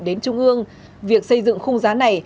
đến trung ương việc xây dựng khung giá này